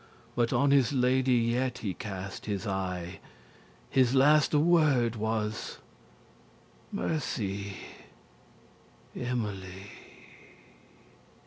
*grew dim But on his lady yet he cast his eye; His laste word was; "Mercy, Emily!"